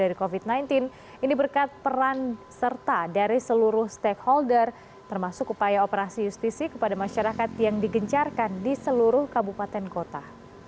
ini berkat peran serta dari seluruh stakeholder termasuk upaya operasi justisi kepada masyarakat yang digencarkan di seluruh kabupaten kota